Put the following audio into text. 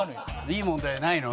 いい問題ないの？